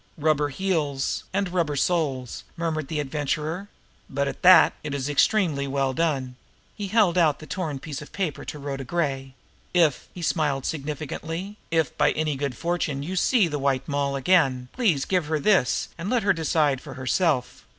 "Rubber heels and rubber soles," murmured the Adventurer. "But, at that, it is extremely well done." He held out the torn piece of paper to Rhoda Gray. "If" he smiled significantly "if, by any good fortune, you see the White Moll again, please give her this and let her decide for herself.